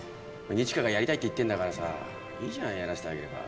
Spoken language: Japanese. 二千翔がやりたいって言ってんだからさいいじゃないやらしてあげれば。